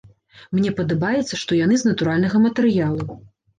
Мне падабаецца, што яны з натуральнага матэрыялу.